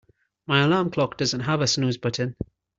My alarm clock doesn't have a snooze button.